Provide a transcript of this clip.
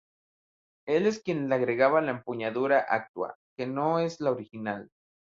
Es el quien le agrega la empuñadura actúa, que no es la original.